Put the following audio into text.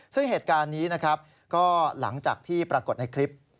ซึ่งเหตุการณ์นี้นะครับก็หลังจากที่ปรากฏในคลิป